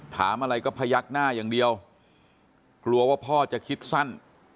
ถามอะไรก็พยักหน้าอย่างเดียวกลัวว่าพ่อจะคิดสั้น